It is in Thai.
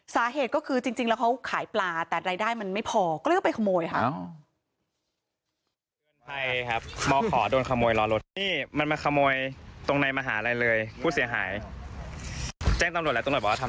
สาเหตุก็คือจริงแล้วเขาขายปลาแต่รายได้มันไม่พอก็เลยไปขโมยค่ะ